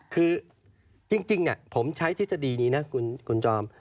คือจริงผมใช้ทฤษฎีนี้นะคุณจอม